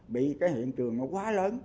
bị cái hiện trường nó quá lớn